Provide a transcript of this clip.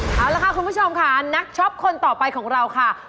เอาละค่ะคุณผู้ชมค่ะนักช็อปคนต่อไปของเราค่ะ